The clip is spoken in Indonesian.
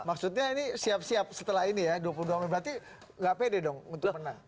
maksudnya ini siap siap setelah ini ya dua puluh dua mei berarti gak pede dong untuk menang